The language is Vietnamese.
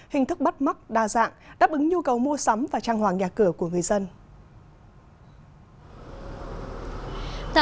hình thức bắt mắt đa dạng đáp ứng nhu cầu mua sắm và trang hoàng nhà cửa của người dân